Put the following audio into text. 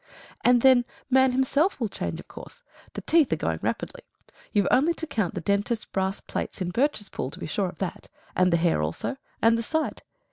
And then man himself will change, of course. The teeth are going rapidly. You've only to count the dentists' brass plates in Birchespool to be sure of that. And the hair also. And the sight.